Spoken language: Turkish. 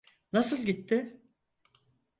NasıI gitti?